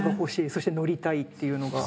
そして乗りたい」っていうのが。